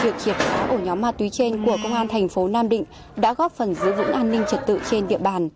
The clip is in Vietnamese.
việc triệt phá ổ nhóm ma túy trên của công an thành phố nam định đã góp phần giữ vững an ninh trật tự trên địa bàn